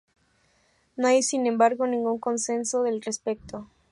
No hay sin embargo ningún consenso al respecto.